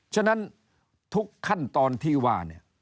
ฉะนั้นทุกขั้นตอนที่ว่า